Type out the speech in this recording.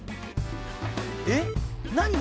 えっ何何？